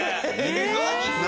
すごい。何？